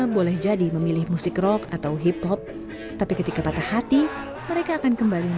boleh jadi memilih musik rock atau hip hop tapi ketika patah hati mereka juga menerima wakil yang